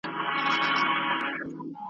کله ورور کله مو زوی راته تربوری دی`